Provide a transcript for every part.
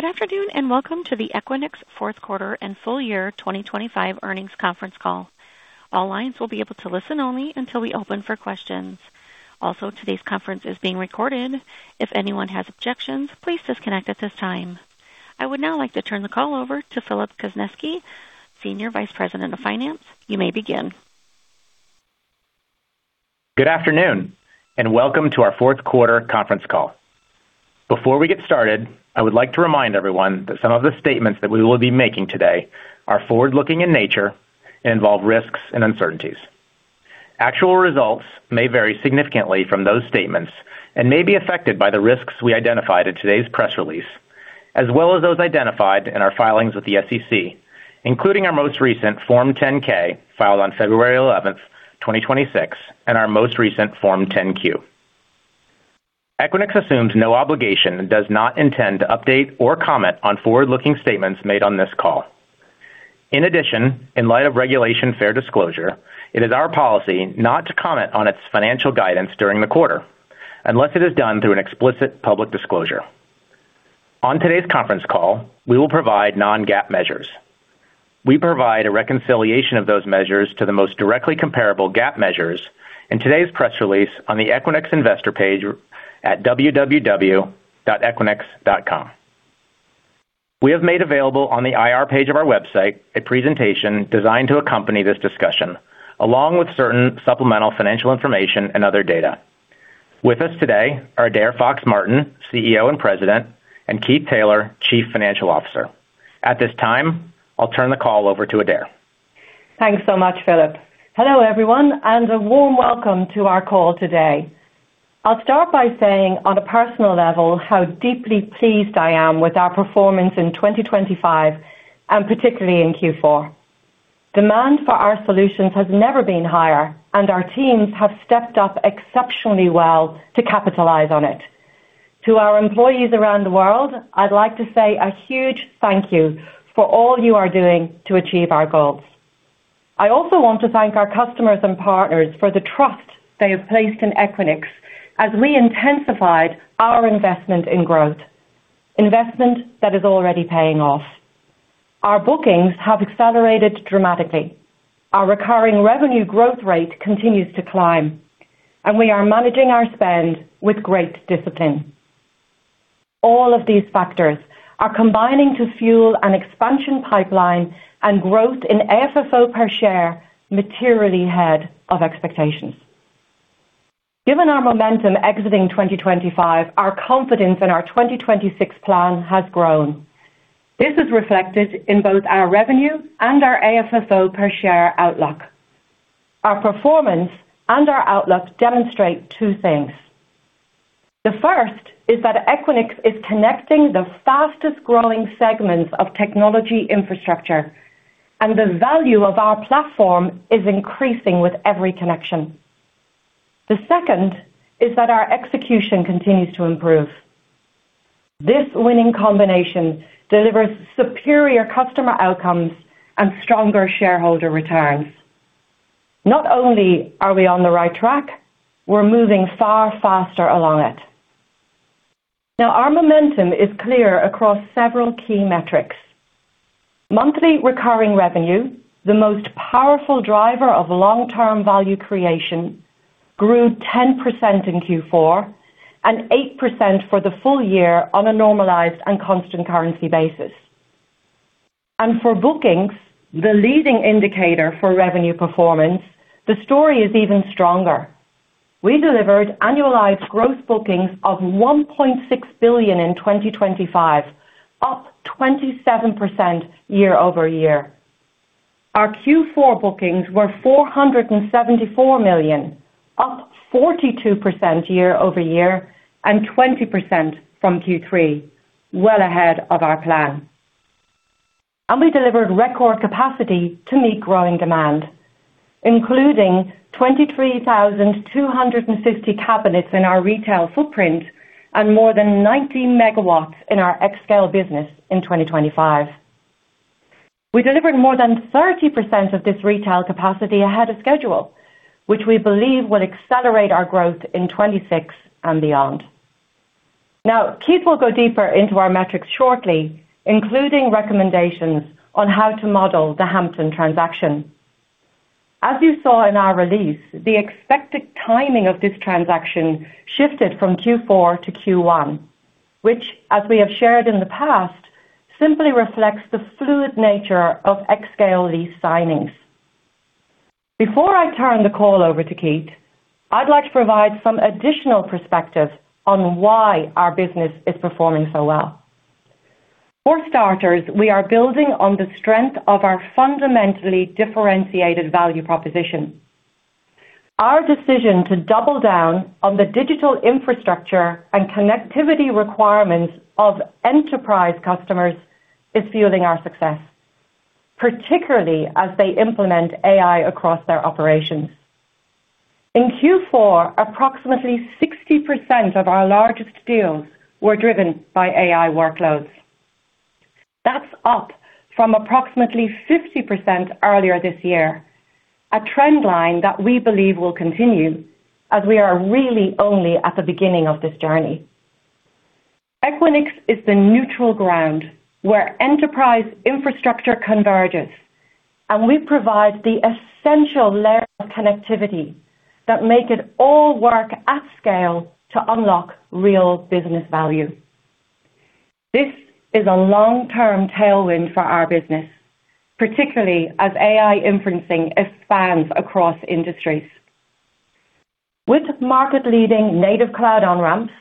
Good afternoon and welcome to the Equinix fourth quarter and full-year 2025 earnings conference call. All lines will be able to listen only until we open for questions. Also, today's conference is being recorded. If anyone has objections, please disconnect at this time. I would now like to turn the call over to Phillip Konieczny, Senior Vice President of Finance. You may begin. Good afternoon and welcome to our fourth quarter conference call. Before we get started, I would like to remind everyone that some of the statements that we will be making today are forward-looking in nature and involve risks and uncertainties. Actual results may vary significantly from those statements and may be affected by the risks we identified in today's press release, as well as those identified in our filings with the SEC, including our most recent Form 10-K filed on February 11, 2026, and our most recent Form 10-Q. Equinix assumes no obligation and does not intend to update or comment on forward-looking statements made on this call. In addition, in light of Regulation Fair Disclosure, it is our policy not to comment on its financial guidance during the quarter unless it is done through an explicit public disclosure. On today's conference call, we will provide non-GAAP measures. We provide a reconciliation of those measures to the most directly comparable GAAP measures in today's press release on the Equinix Investor page at www.equinix.com. We have made available on the IR page of our website a presentation designed to accompany this discussion, along with certain supplemental financial information and other data. With us today are Adaire Fox-Martin, CEO and President, and Keith Taylor, Chief Financial Officer. At this time, I'll turn the call over to Adaire. Thanks so much, Phillip. Hello everyone and a warm welcome to our call today. I'll start by saying, on a personal level, how deeply pleased I am with our performance in 2025 and particularly in Q4. Demand for our solutions has never been higher, and our teams have stepped up exceptionally well to capitalize on it. To our employees around the world, I'd like to say a huge thank you for all you are doing to achieve our goals. I also want to thank our customers and partners for the trust they have placed in Equinix as we intensified our investment in growth, investment that is already paying off. Our bookings have accelerated dramatically, our recurring revenue growth rate continues to climb, and we are managing our spend with great discipline. All of these factors are combining to fuel an expansion pipeline and growth in FFO per share materially ahead of expectations. Given our momentum exiting 2025, our confidence in our 2026 plan has grown. This is reflected in both our revenue and our AFFO per share outlook. Our performance and our outlook demonstrate two things. The first is that Equinix is connecting the fastest-growing segments of technology infrastructure, and the value of our platform is increasing with every connection. The second is that our execution continues to improve. This winning combination delivers superior customer outcomes and stronger shareholder returns. Not only are we on the right track, we're moving far faster along it. Now, our momentum is clear across several key metrics. Monthly recurring revenue, the most powerful driver of long-term value creation, grew 10% in Q4 and 8% for the full-year on a normalized and constant currency basis. For bookings, the leading indicator for revenue performance, the story is even stronger. We delivered annualized gross bookings of $1.6 billion in 2025, up 27% year-over-year. Our Q4 bookings were $474 million, up 42% year-over-year and 20% from Q3, well ahead of our plan. We delivered record capacity to meet growing demand, including 23,250 cabinets in our retail footprint and more than 90 MW in our xScale business in 2025. We delivered more than 30% of this retail capacity ahead of schedule, which we believe will accelerate our growth in 2026 and beyond. Now, Keith will go deeper into our metrics shortly, including recommendations on how to model the Hampton transaction. As you saw in our release, the expected timing of this transaction shifted from Q4 to Q1, which, as we have shared in the past, simply reflects the fluid nature of xScale lease signings. Before I turn the call over to Keith, I'd like to provide some additional perspective on why our business is performing so well. For starters, we are building on the strength of our fundamentally differentiated value proposition. Our decision to double down on the digital infrastructure and connectivity requirements of enterprise customers is fueling our success, particularly as they implement AI across their operations. In Q4, approximately 60% of our largest deals were driven by AI workloads. That's up from approximately 50% earlier this year, a trend line that we believe will continue as we are really only at the beginning of this journey. Equinix is the neutral ground where enterprise infrastructure converges, and we provide the essential layer of connectivity that makes it all work at scale to unlock real business value. This is a long-term tailwind for our business, particularly as AI inferencing expands across industries. With market-leading native cloud on-ramps,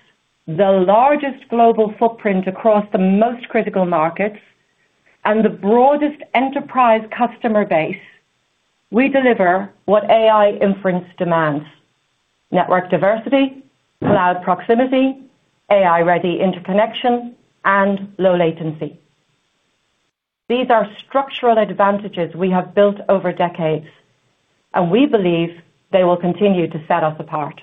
the largest global footprint across the most critical markets, and the broadest enterprise customer base, we deliver what AI inference demands: network diversity, cloud proximity, AI-ready interconnection, and low latency. These are structural advantages we have built over decades, and we believe they will continue to set us apart.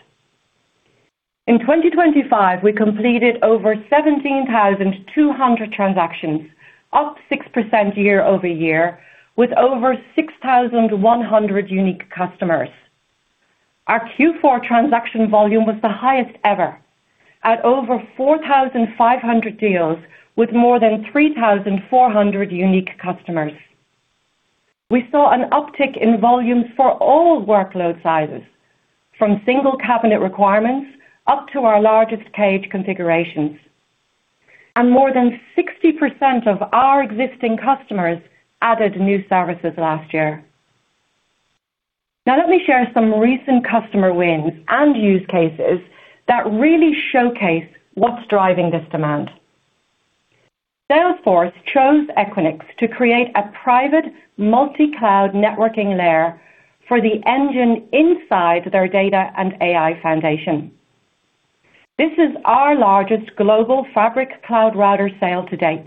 In 2025, we completed over 17,200 transactions, up 6% year-over-year, with over 6,100 unique customers. Our Q4 transaction volume was the highest ever, at over 4,500 deals with more than 3,400 unique customers. We saw an uptick in volumes for all workload sizes, from single cabinet requirements up to our largest cage configurations, and more than 60% of our existing customers added new services last year. Now, let me share some recent customer wins and use cases that really showcase what's driving this demand. Salesforce chose Equinix to create a private multi-cloud networking layer for the engine inside their data and AI foundation. This is our largest global Fabric Cloud Router sale to date.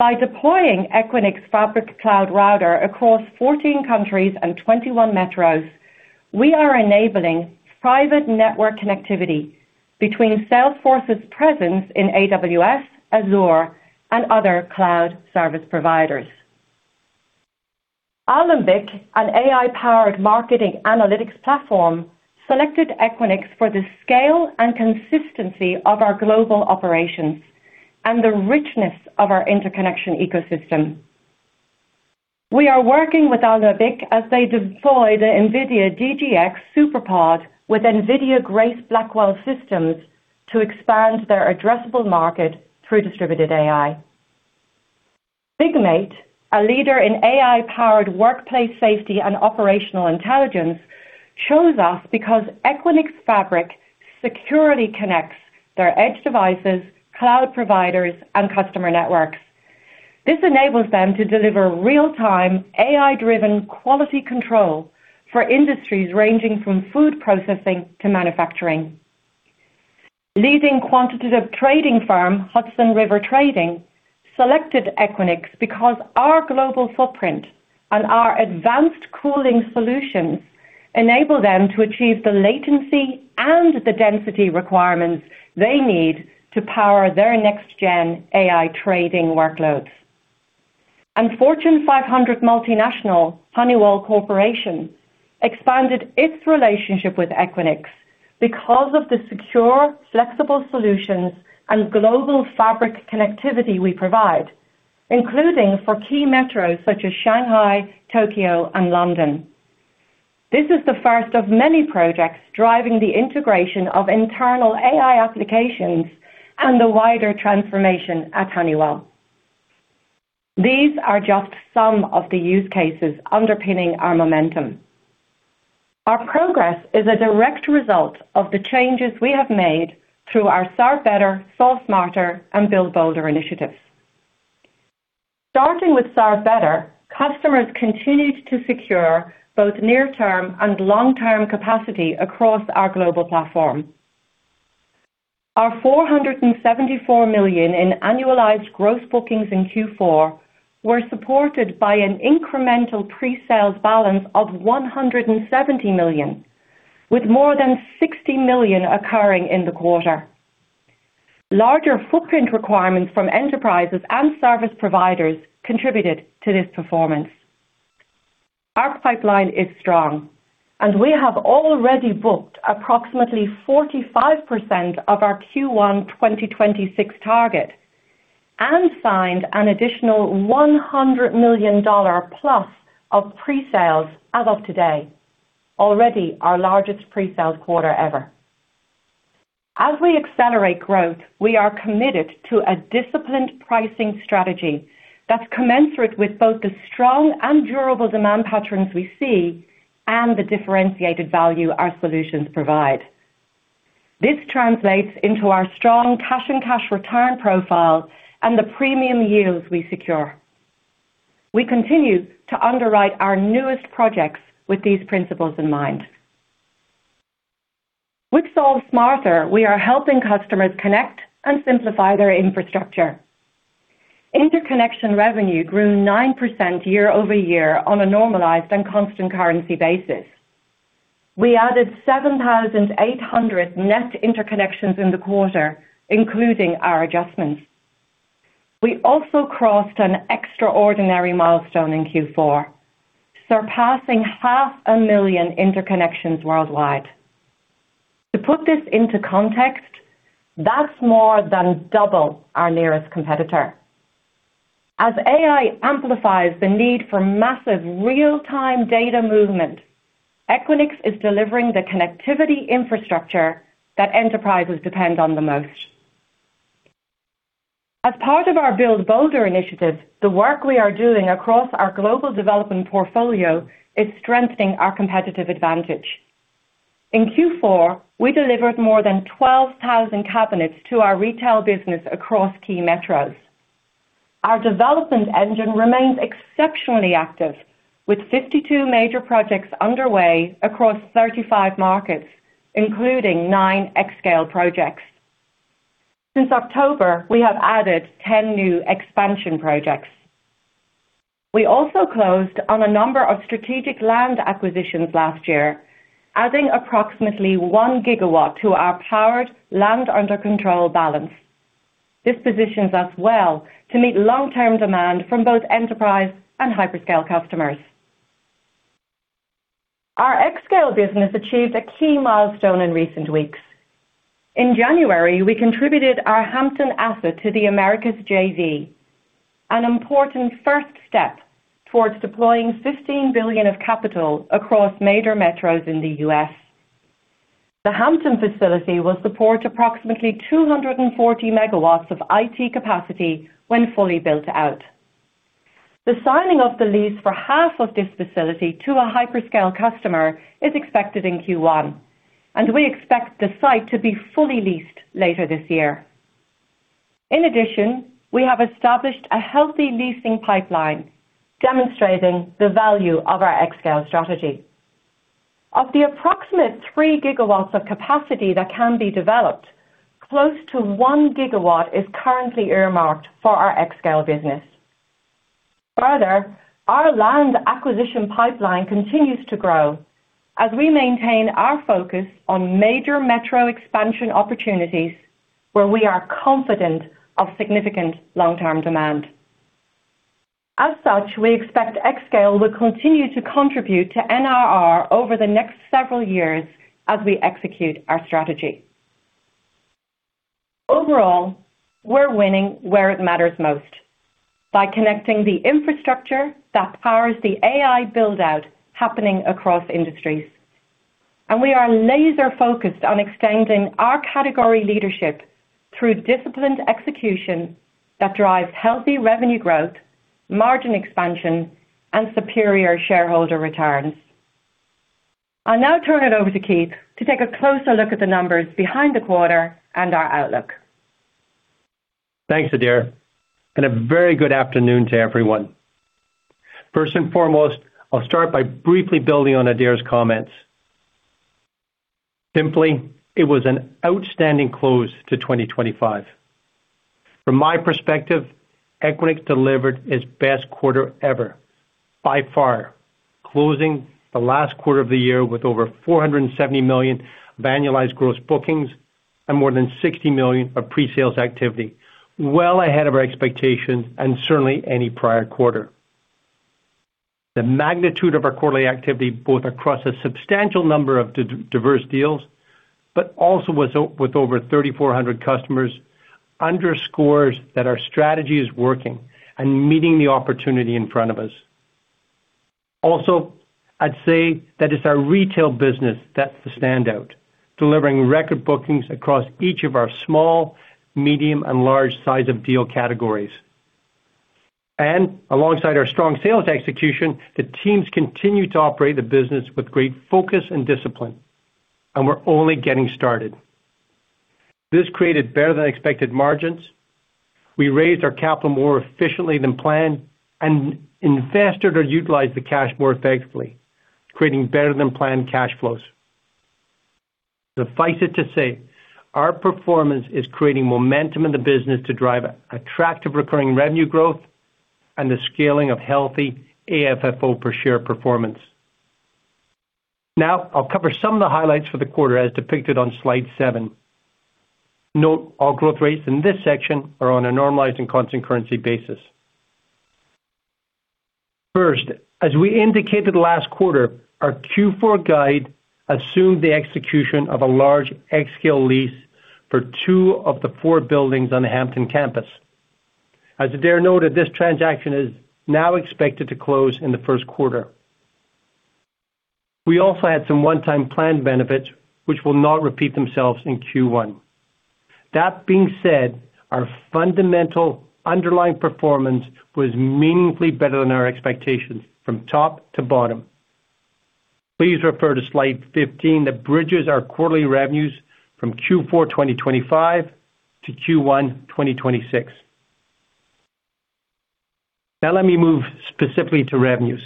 By deploying Equinix Fabric Cloud Router across 14 countries and 21 metros, we are enabling private network connectivity between Salesforce's presence in AWS, Azure, and other cloud service providers. Alembic, an AI-powered marketing analytics platform, selected Equinix for the scale and consistency of our global operations and the richness of our interconnection ecosystem. We are working with Alembic as they deploy the NVIDIA DGX SuperPOD with NVIDIA Grace Blackwell systems to expand their addressable market through distributed AI. Bigmate, a leader in AI-powered workplace safety and operational intelligence, chose us because Equinix Fabric securely connects their edge devices, cloud providers, and customer networks. This enables them to deliver real-time, AI-driven quality control for industries ranging from food processing to manufacturing. Leading quantitative trading firm, Hudson River Trading, selected Equinix because our global footprint and our advanced cooling solutions enable them to achieve the latency and the density requirements they need to power their next-gen AI trading workloads. Fortune 500 multinational Honeywell Corporation expanded its relationship with Equinix because of the secure, flexible solutions and global fabric connectivity we provide, including for key metros such as Shanghai, Tokyo, and London. This is the first of many projects driving the integration of internal AI applications and the wider transformation at Honeywell. These are just some of the use cases underpinning our momentum. Our progress is a direct result of the changes we have made through our Start Better, Sell Smarter, and Build Bolder initiatives. Starting with Start Better, customers continued to secure both near-term and long-term capacity across our global platform. Our $474 million in annualized gross bookings in Q4 were supported by an incremental pre-sales balance of $170 million, with more than $60 million occurring in the quarter. Larger footprint requirements from enterprises and service providers contributed to this performance. Our pipeline is strong, and we have already booked approximately 45% of our Q1 2026 target and signed an additional $100 million plus of pre-sales as of today, already our largest pre-sales quarter ever. As we accelerate growth, we are committed to a disciplined pricing strategy that's commensurate with both the strong and durable demand patterns we see and the differentiated value our solutions provide. This translates into our strong cash-on-cash return profile and the premium yields we secure. We continue to underwrite our newest projects with these principles in mind. With Sell Smarter, we are helping customers connect and simplify their infrastructure. Interconnection revenue grew 9% year-over-year on a normalized and constant currency basis. We added 7,800 net interconnections in the quarter, including our adjustments. We also crossed an extraordinary milestone in Q4, surpassing half a million interconnections worldwide. To put this into context, that's more than double our nearest competitor. As AI amplifies the need for massive real-time data movement, Equinix is delivering the connectivity infrastructure that enterprises depend on the most. As part of our Build Bolder initiative, the work we are doing across our global development portfolio is strengthening our competitive advantage. In Q4, we delivered more than 12,000 cabinets to our retail business across key metros. Our development engine remains exceptionally active, with 52 major projects underway across 35 markets, including nine xScale projects. Since October, we have added 10 new expansion projects. We also closed on a number of strategic land acquisitions last year, adding approximately 1 GW to our powered land under control balance. This positions us well to meet long-term demand from both enterprise and hyperscale customers. Our xScale business achieved a key milestone in recent weeks. In January, we contributed our Hampton asset to the Americas JV, an important first step towards deploying $15 billion of capital across major metros in the U.S. The Hampton facility will support approximately 240 MW of IT capacity when fully built out. The signing of the lease for half of this facility to a hyperscale customer is expected in Q1, and we expect the site to be fully leased later this year. In addition, we have established a healthy leasing pipeline, demonstrating the value of our xScale strategy. Of the approximate 3 GW of capacity that can be developed, close to 1 GW is currently earmarked for our xScale business. Further, our land acquisition pipeline continues to grow as we maintain our focus on major metro expansion opportunities where we are confident of significant long-term demand. As such, we expect xScale will continue to contribute to NRR over the next several years as we execute our strategy. Overall, we're winning where it matters most by connecting the infrastructure that powers the AI buildout happening across industries. We are laser-focused on extending our category leadership through disciplined execution that drives healthy revenue growth, margin expansion, and superior shareholder returns. I'll now turn it over to Keith to take a closer look at the numbers behind the quarter and our outlook. Thanks, Adaire, and a very good afternoon to everyone. First and foremost, I'll start by briefly building on Adaire's comments. Simply, it was an outstanding close to 2025. From my perspective, Equinix delivered its best quarter ever, by far closing the last quarter of the year with over $470 million of annualized gross bookings and more than $60 million of pre-sales activity, well ahead of our expectations and certainly any prior quarter. The magnitude of our quarterly activity, both across a substantial number of diverse deals but also with over 3,400 customers, underscores that our strategy is working and meeting the opportunity in front of us. Also, I'd say that it's our retail business that's the standout, delivering record bookings across each of our small, medium, and large size of deal categories. Alongside our strong sales execution, the teams continue to operate the business with great focus and discipline, and we're only getting started. This created better-than-expected margins. We raised our capital more efficiently than planned and invested or utilized the cash more effectively, creating better-than-planned cash flows. Suffice it to say, our performance is creating momentum in the business to drive attractive recurring revenue growth and the scaling of healthy AFFO per share performance. Now, I'll cover some of the highlights for the quarter as depicted on slide seven. Note, all growth rates in this section are on a normalized and constant currency basis. First, as we indicated last quarter, our Q4 guide assumed the execution of a large xScale lease for two of the four buildings on the Hampton campus. As Adaire noted, this transaction is now expected to close in the first quarter. We also had some one-time planned benefits, which will not repeat themselves in Q1. That being said, our fundamental underlying performance was meaningfully better than our expectations from top to bottom. Please refer to slide 15 that bridges our quarterly revenues from Q4 2025 to Q1 2026. Now, let me move specifically to revenues.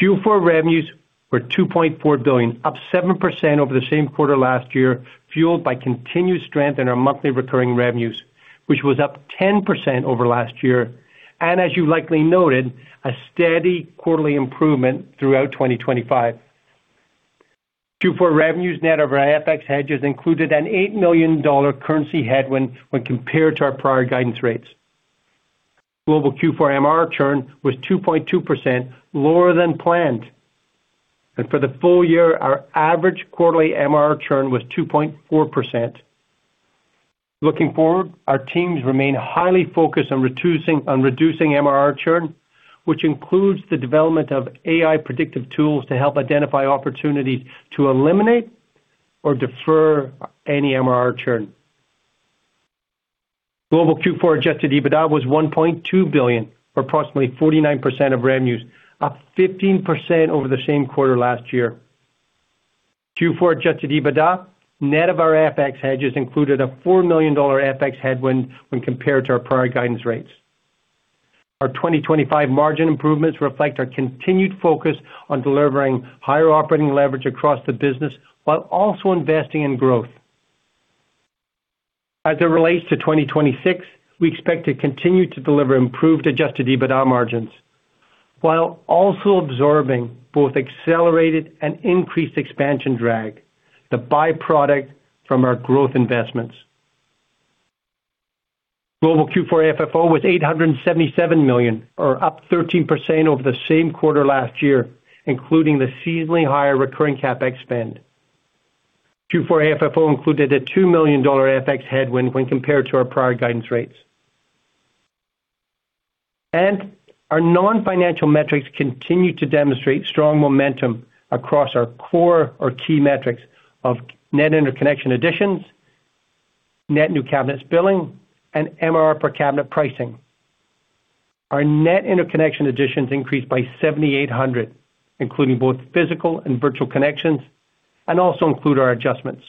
Q4 revenues were $2.4 billion, up 7% over the same quarter last year, fueled by continued strength in our monthly recurring revenues, which was up 10% over last year and, as you likely noted, a steady quarterly improvement throughout 2025. Q4 revenues net of our FX hedges included an $8 million currency headwind when compared to our prior guidance rates. Global Q4 MRR churn was 2.2%, lower than planned. And for the full-year, our average quarterly MRR churn was 2.4%. Looking forward, our teams remain highly focused on reducing MRR churn, which includes the development of AI predictive tools to help identify opportunities to eliminate or defer any MRR churn. Global Q4 Adjusted EBITDA was $1.2 billion, or approximately 49% of revenues, up 15% over the same quarter last year. Q4 Adjusted EBITDA net of our FX hedges included a $4 million FX headwind when compared to our prior guidance rates. Our 2025 margin improvements reflect our continued focus on delivering higher operating leverage across the business while also investing in growth. As it relates to 2026, we expect to continue to deliver improved Adjusted EBITDA margins while also absorbing both accelerated and increased expansion drag, the byproduct from our growth investments. Global Q4 FFO was $877 million, or up 13% over the same quarter last year, including the seasonally higher recurring CapEx spend. Q4 FFO included a $2 million FX headwind when compared to our prior guidance rates. Our non-financial metrics continue to demonstrate strong momentum across our core or key metrics of net interconnection additions, net new cabinets billing, and MRR per cabinet pricing. Our net interconnection additions increased by 7,800, including both physical and virtual connections, and also include our adjustments.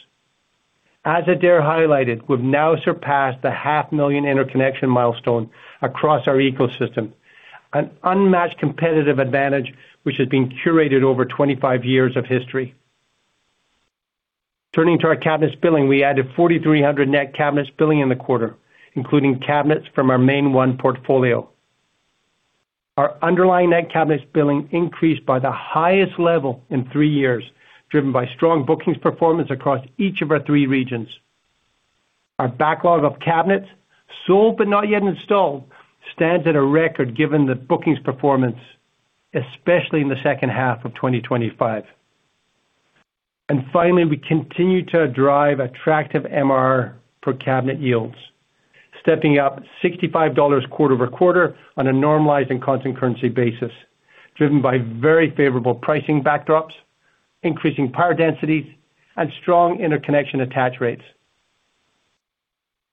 As Adaire highlighted, we've now surpassed the 500,000 interconnection milestone across our ecosystem, an unmatched competitive advantage which has been curated over 25 years of history. Turning to our cabinets billing, we added 4,300 net cabinets billing in the quarter, including cabinets from our MainOne portfolio. Our underlying net cabinets billing increased by the highest level in three years, driven by strong bookings performance across each of our three regions. Our backlog of cabinets, sold but not yet installed, stands at a record given the bookings performance, especially in the second half of 2025. And finally, we continue to drive attractive MRR per cabinet yields, stepping up $65 quarter-over-quarter on a normalized and constant currency basis, driven by very favorable pricing backdrops, increasing power densities, and strong interconnection attach rates.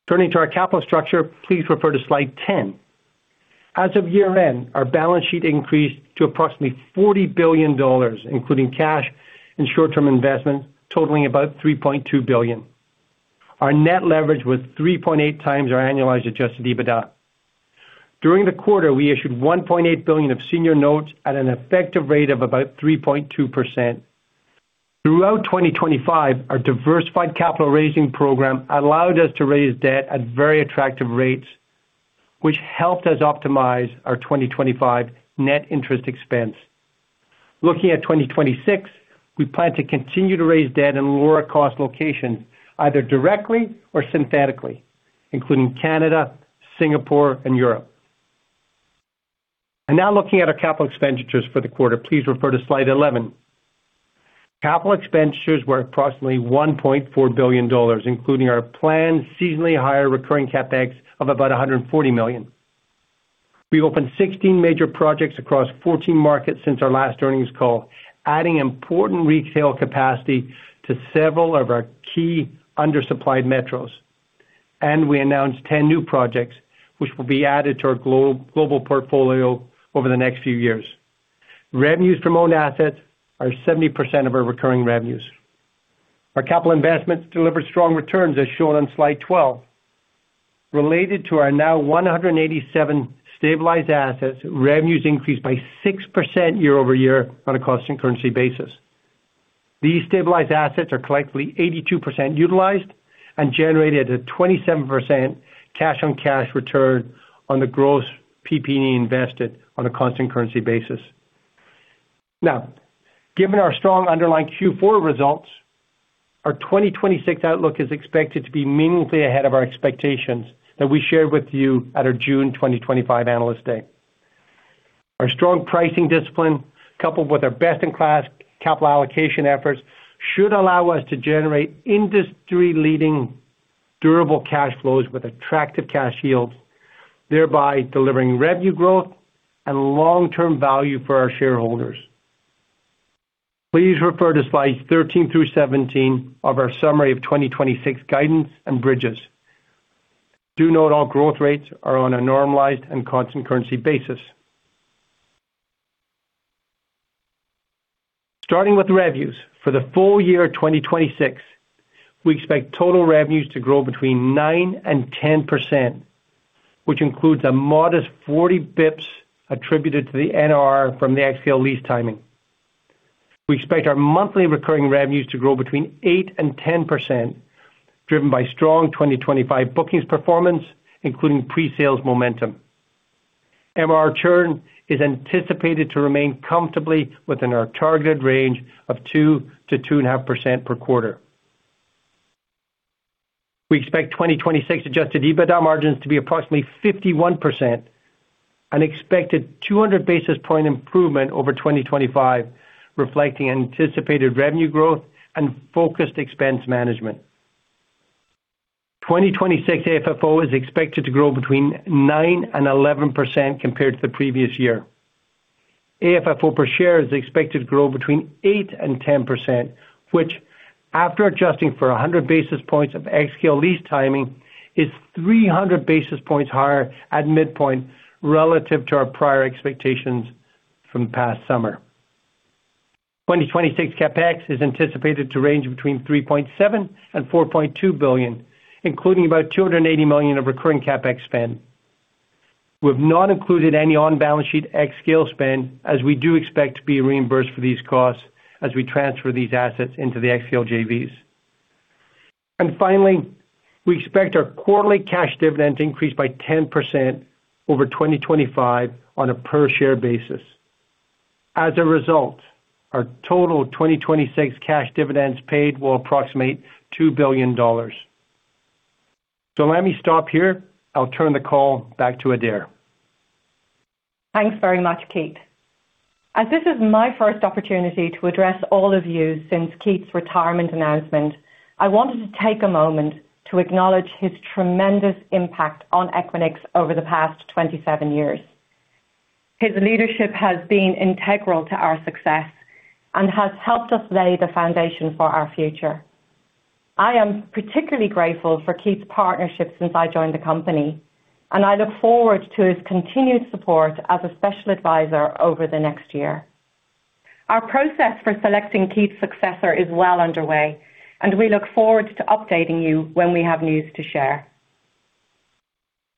Turning to our capital structure, please refer to slide 10. As of year-end, our balance sheet increased to approximately $40 billion, including cash and short-term investments, totaling about $3.2 billion. Our net leverage was 3.8x our annualized Adjusted EBITDA. During the quarter, we issued $1.8 billion of senior notes at an effective rate of about 3.2%. Throughout 2025, our diversified capital raising program allowed us to raise debt at very attractive rates, which helped us optimize our 2025 net interest expense. Looking at 2026, we plan to continue to raise debt in lower-cost locations, either directly or synthetically, including Canada, Singapore, and Europe. Now, looking at our capital expenditures for the quarter, please refer to slide 11. Capital expenditures were approximately $1.4 billion, including our planned seasonally higher recurring CapEx of about $140 million. We opened 16 major projects across 14 markets since our last earnings call, adding important retail capacity to several of our key undersupplied metros. And we announced 10 new projects, which will be added to our global portfolio over the next few years. Revenues from owned assets are 70% of our recurring revenues. Our capital investments delivered strong returns, as shown on slide 12. Related to our now 187 stabilized assets, revenues increased by 6% year-over-year on a constant currency basis. These stabilized assets are collectively 82% utilized and generated a 27% cash-on-cash return on the gross PP&E invested on a constant currency basis. Now, given our strong underlying Q4 results, our 2026 outlook is expected to be meaningfully ahead of our expectations that we shared with you at our June 2025 Analyst Day. Our strong pricing discipline, coupled with our best-in-class capital allocation efforts, should allow us to generate industry-leading durable cash flows with attractive cash yields, thereby delivering revenue growth and long-term value for our shareholders. Please refer to slides 13 through 17 of our summary of 2026 guidance and bridges. Do note, all growth rates are on a normalized and constant currency basis. Starting with revenues, for the full-year 2026, we expect total revenues to grow between 9%-10%, which includes a modest 40 basis points attributed to the NRR from the xScale lease timing. We expect our monthly recurring revenues to grow 8%-10%, driven by strong 2025 bookings performance, including pre-sales momentum. MRR churn is anticipated to remain comfortably within our targeted range of 2%-2.5% per quarter. We expect 2026 Adjusted EBITDA margins to be approximately 51%, an expected 200 basis point improvement over 2025, reflecting anticipated revenue growth and focused expense management. 2026 AFFO is expected to grow 9%-11% compared to the previous year. AFFO per share is expected to grow 8%-10%, which, after adjusting for 100 basis points of xScale lease timing, is 300 basis points higher at midpoint relative to our prior expectations from past summer. 2026 CapEx is anticipated to range between $3.7 billion-$4.2 billion, including about $280 million of recurring CapEx spend. We have not included any on-balance sheet xScale spend, as we do expect to be reimbursed for these costs as we transfer these assets into the xScale JVs. And finally, we expect our quarterly cash dividend to increase by 10% over 2025 on a per-share basis. As a result, our total 2026 cash dividends paid will approximate $2 billion. So let me stop here. I'll turn the call back to Adaire. Thanks very much, Keith. As this is my first opportunity to address all of you since Keith's retirement announcement, I wanted to take a moment to acknowledge his tremendous impact on Equinix over the past 27 years. His leadership has been integral to our success and has helped us lay the foundation for our future. I am particularly grateful for Keith's partnership since I joined the company, and I look forward to his continued support as a special advisor over the next year. Our process for selecting Keith's successor is well underway, and we look forward to updating you when we have news to share.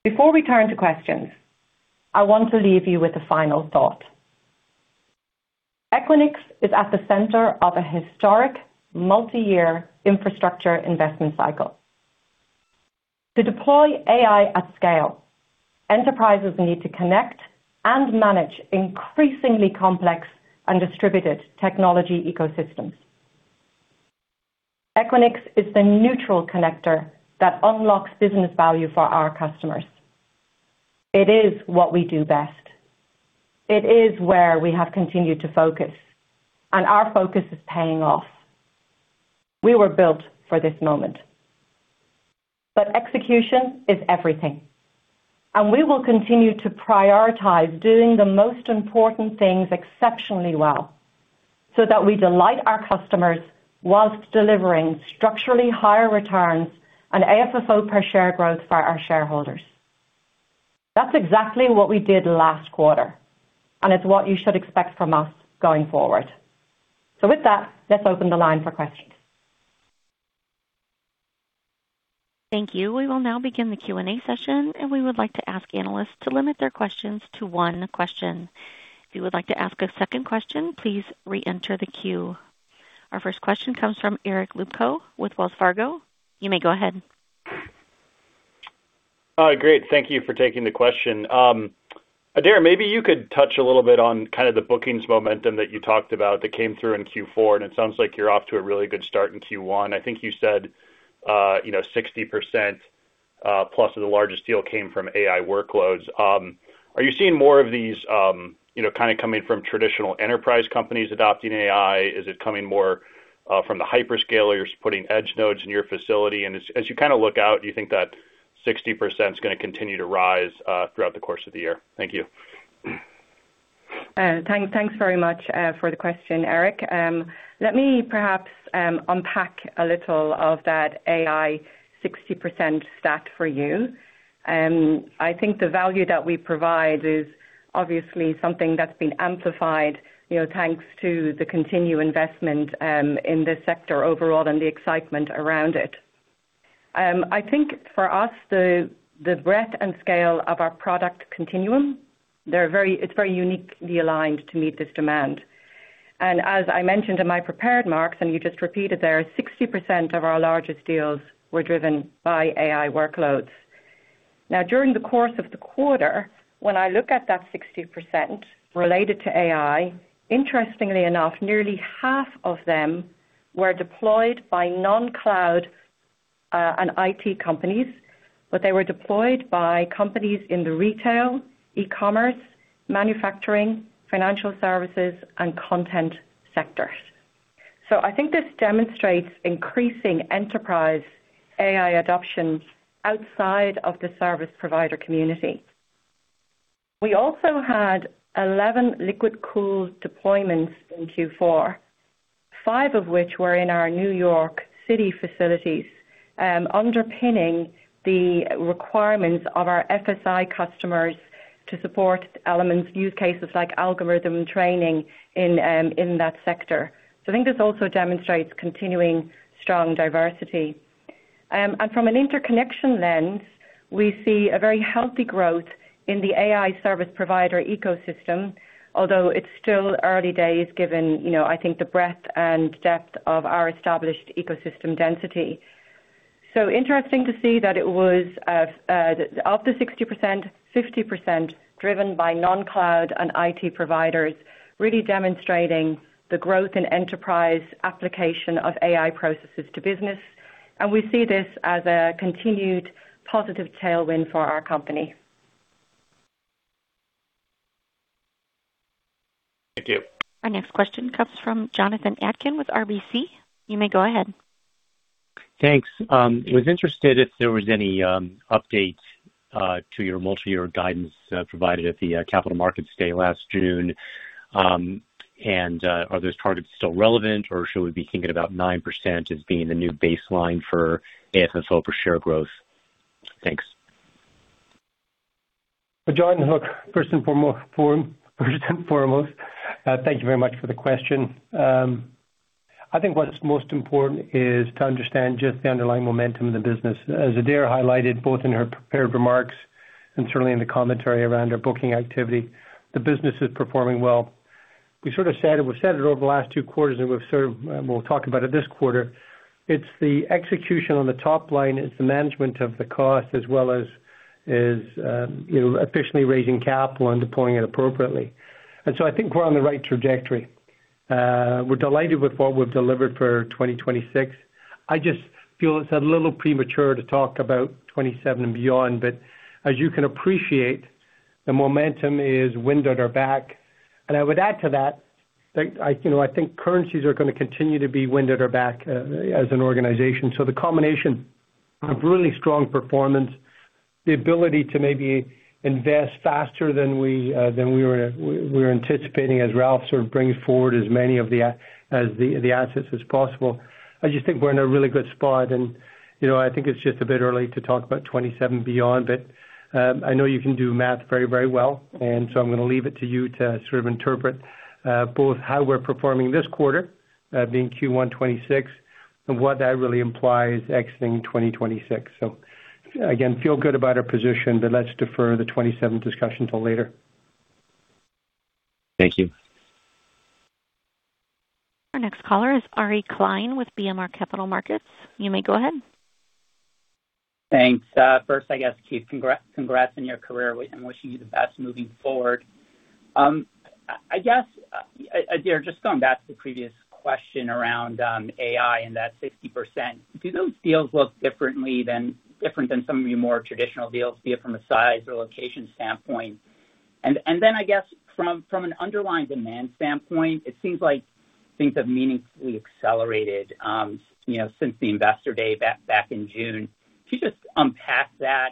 Before we turn to questions, I want to leave you with a final thought. Equinix is at the center of a historic, multi-year infrastructure investment cycle. To deploy AI at scale, enterprises need to connect and manage increasingly complex and distributed technology ecosystems. Equinix is the neutral connector that unlocks business value for our customers. It is what we do best. It is where we have continued to focus, and our focus is paying off. We were built for this moment. But execution is everything, and we will continue to prioritize doing the most important things exceptionally well so that we delight our customers whilst delivering structurally higher returns and AFFO per share growth for our shareholders. That's exactly what we did last quarter, and it's what you should expect from us going forward. With that, let's open the line for questions. Thank you. We will now begin the Q&A session, and we would like to ask analysts to limit their questions to one question. If you would like to ask a second question, please reenter the queue. Our first question comes from Eric Luebchow with Wells Fargo. You may go ahead. Great. Thank you for taking the question. Adaire, maybe you could touch a little bit on kind of the bookings momentum that you talked about that came through in Q4, and it sounds like you're off to a really good start in Q1. I think you said 60%+ of the largest deal came from AI workloads. Are you seeing more of these kind of coming from traditional enterprise companies adopting AI? Is it coming more from the hyperscalers putting edge nodes in your facility? And as you kind of look out, do you think that 60% is going to continue to rise throughout the course of the year? Thank you. Thanks very much for the question, Eric. Let me perhaps unpack a little of that AI 60% stat for you. I think the value that we provide is obviously something that's been amplified thanks to the continued investment in this sector overall and the excitement around it. I think for us, the breadth and scale of our product continuum, it's very uniquely aligned to meet this demand. And as I mentioned in my prepared remarks, and you just repeated there, 60% of our largest deals were driven by AI workloads. Now, during the course of the quarter, when I look at that 60% related to AI, interestingly enough, nearly half of them were deployed by non-cloud and IT companies, but they were deployed by companies in the retail, e-commerce, manufacturing, financial services, and content sectors. So I think this demonstrates increasing enterprise AI adoption outside of the service provider community. We also had 11 liquid-cooled deployments in Q4, five of which were in our New York City facilities, underpinning the requirements of our FSI customers to support use cases like algorithm training in that sector. So I think this also demonstrates continuing strong diversity. And from an interconnection lens, we see a very healthy growth in the AI service provider ecosystem, although it's still early days given, I think, the breadth and depth of our established ecosystem density. So interesting to see that it was of the 60%, 50% driven by non-cloud and IT providers, really demonstrating the growth in enterprise application of AI processes to business. And we see this as a continued positive tailwind for our company. Thank you. Our next question comes from Jonathan Atkin with RBC. You may go ahead. Thanks. I was interested if there was any update to your multi-year guidance provided at the Capital Markets Day last June. Are those targets still relevant, or should we be thinking about 9% as being the new baseline for AFFO per share growth? Thanks. Well, Jon, look, first and foremost, thank you very much for the question. I think what's most important is to understand just the underlying momentum in the business. As Adaire highlighted, both in her prepared remarks and certainly in the commentary around our booking activity, the business is performing well. We sort of said it. We've said it over the last two quarters, and we'll talk about it this quarter. It's the execution on the top line. It's the management of the cost as well as efficiently raising capital and deploying it appropriately. And so I think we're on the right trajectory. We're delighted with what we've delivered for 2026. I just feel it's a little premature to talk about 2027 and beyond. But as you can appreciate, the momentum is wind at our back. And I would add to that that I think currencies are going to continue to be wind at our back as an organization. So the combination of really strong performance, the ability to maybe invest faster than we were anticipating as Raouf sort of brings forward as many of the assets as possible, I just think we're in a really good spot. And I think it's just a bit early to talk about 2027 and beyond. But I know you can do math very, very well, and so I'm going to leave it to you to sort of interpret both how we're performing this quarter, being Q1 2026, and what that really implies exiting 2026. So again, feel good about our position, but let's defer the 2027 discussion till later. Thank you. Our next caller is Ari Klein with BMO Capital Markets. You may go ahead. Thanks. First, I guess, Keith, congrats on your career. I'm wishing you the best moving forward. I guess, Adaire, just going back to the previous question around AI and that 60%, do those deals look different than some of your more traditional deals, be it from a size or location standpoint? And then, I guess, from an underlying demand standpoint, it seems like things have meaningfully accelerated since the Investor Day back in June. If you just unpack that,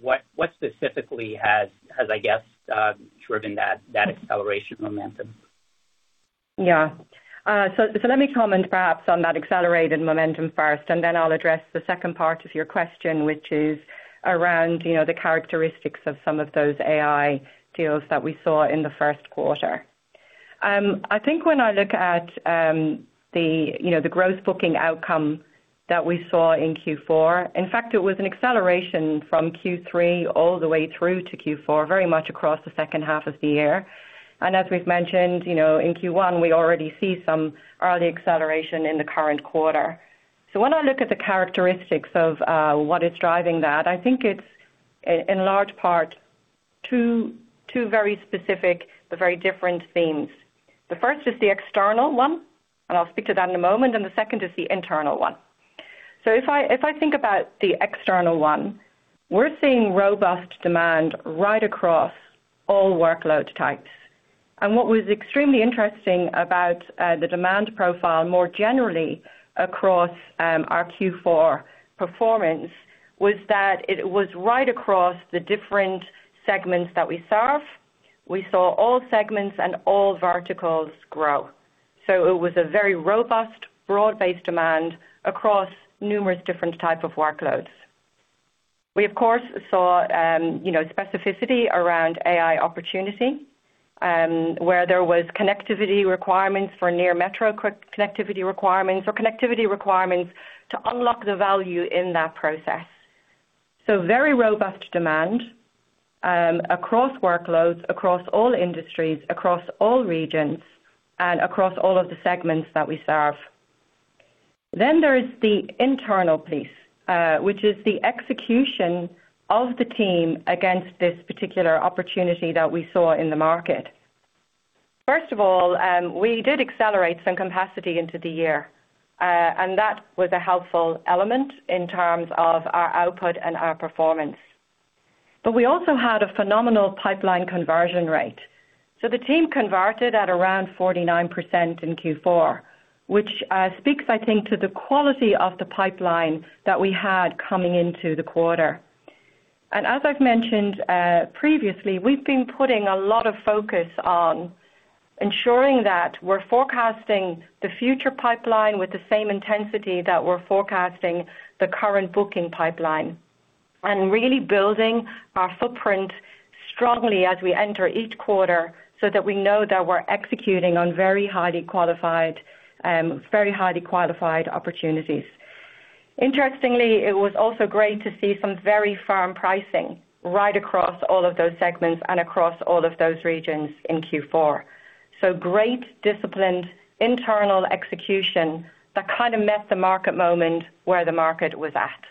what specifically has, I guess, driven that acceleration momentum? Yeah. So let me comment perhaps on that accelerated momentum first, and then I'll address the second part of your question, which is around the characteristics of some of those AI deals that we saw in the first quarter. I think when I look at the gross booking outcome that we saw in Q4, in fact, it was an acceleration from Q3 all the way through to Q4, very much across the second half of the year. And as we've mentioned, in Q1, we already see some early acceleration in the current quarter. So when I look at the characteristics of what is driving that, I think it's in large part two very specific but very different themes. The first is the external one, and I'll speak to that in a moment, and the second is the internal one. If I think about the external one, we're seeing robust demand right across all workload types. What was extremely interesting about the demand profile more generally across our Q4 performance was that it was right across the different segments that we serve. We saw all segments and all verticals grow. So it was a very robust, broad-based demand across numerous different types of workloads. We, of course, saw specificity around AI opportunity, where there was connectivity requirements for near-metro connectivity requirements or connectivity requirements to unlock the value in that process. So very robust demand across workloads, across all industries, across all regions, and across all of the segments that we serve. Then there is the internal piece, which is the execution of the team against this particular opportunity that we saw in the market. First of all, we did accelerate some capacity into the year, and that was a helpful element in terms of our output and our performance. But we also had a phenomenal pipeline conversion rate. So the team converted at around 49% in Q4, which speaks, I think, to the quality of the pipeline that we had coming into the quarter. And as I've mentioned previously, we've been putting a lot of focus on ensuring that we're forecasting the future pipeline with the same intensity that we're forecasting the current booking pipeline and really building our footprint strongly as we enter each quarter so that we know that we're executing on very highly qualified opportunities. Interestingly, it was also great to see some very firm pricing right across all of those segments and across all of those regions in Q4. Great disciplined internal execution that kind of met the market moment where the market was at.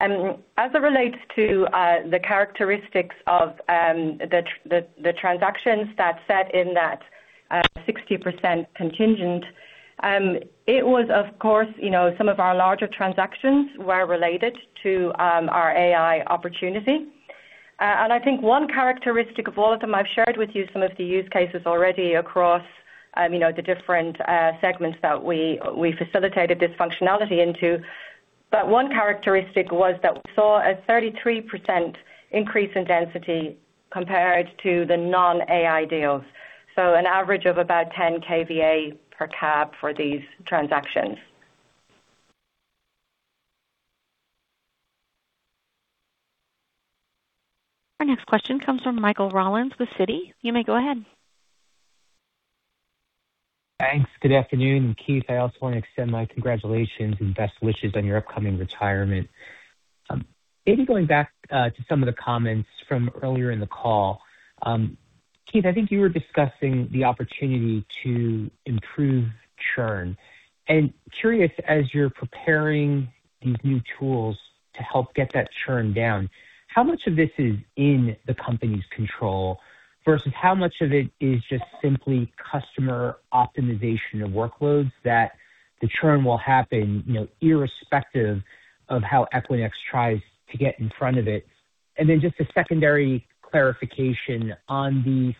And as it relates to the characteristics of the transactions that set in that 60% contingent, it was, of course, some of our larger transactions were related to our AI opportunity. And I think one characteristic of all of them I've shared with you some of the use cases already across the different segments that we facilitated this functionality into. But one characteristic was that we saw a 33% increase in density compared to the non-AI deals, so an average of about 10 kVA per cab for these transactions. Our next question comes from Michael Rollins with Citi. You may go ahead. Thanks. Good afternoon. And Keith, I also want to extend my congratulations and best wishes on your upcoming retirement. Maybe going back to some of the comments from earlier in the call, Keith, I think you were discussing the opportunity to improve churn. And curious, as you're preparing these new tools to help get that churn down, how much of this is in the company's control versus how much of it is just simply customer optimization of workloads that the churn will happen irrespective of how Equinix tries to get in front of it? And then just a secondary clarification on the